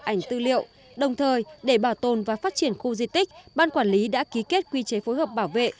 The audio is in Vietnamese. ảnh tư liệu đồng thời để bảo tồn và phát triển khu di tích ban quản lý đã ký kết quy chế phối hợp bảo vệ